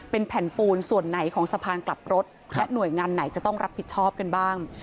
เป็นแผ่นปูนส่วนไหนของสะพานกลับรถและหน่วยงานไหนจะต้องรับผิดชอบกันบ้าง